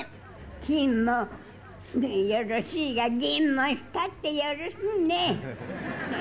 金もよろしいが、銀も光ってよろしいね。